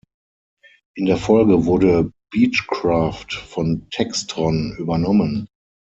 In der Folge wurde Beechcraft von Textron übernommen.